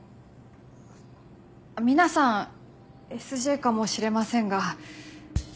皆さんＳＪかもしれませんが。